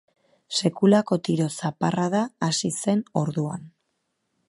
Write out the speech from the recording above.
Sekulako tiro zaparrada hasi zen orduan.